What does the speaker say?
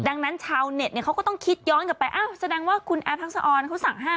ดังนั้นชาวเน็ตเนี่ยเขาก็ต้องคิดย้อนกลับไปอ้าวแสดงว่าคุณแอฟทักษะออนเขาสั่งห้าม